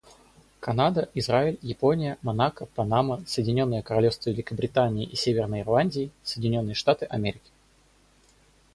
Канада, Израиль, Япония, Монако, Панама, Соединенное Королевство Великобритании и Северной Ирландии, Соединенные Штаты Америки.